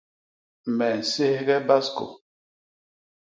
Me nséghe baskô.